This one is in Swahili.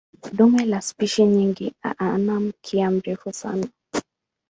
Dume la spishi nyingi ana mkia mrefu sana.